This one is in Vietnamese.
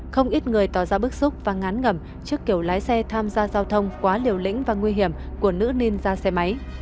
không ít người tỏ ra bức xúc và ngán ngẩm trước kiểu lái xe tham gia giao thông quá liều lĩnh và nguy hiểm của nữ nên ra xe máy